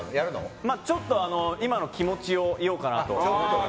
ちょっと今の気持ちを言おうかなと。